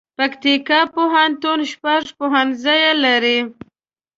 پکتیکا پوهنتون شپږ پوهنځي لري